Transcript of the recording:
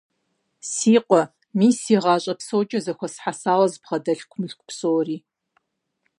Си къуэ, мис си гъащӀэ псокӀэ зэхуэсхьэсауэ збгъэдэлъ мылъку псори.